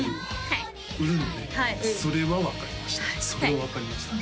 はいそれは分かりました